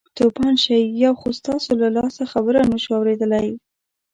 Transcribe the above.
توپان شئ یو خو ستاسو له لاسه خبره نه شوو اورېدلی.